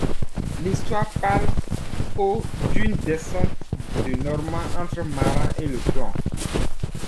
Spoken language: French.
L'histoire parle, au d'une descente de Normands entre Marans et Le Plomb.